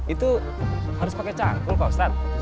itu harus pakai cangkul pak ustadz